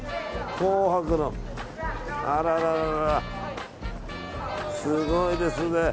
紅白の、あららすごいですね。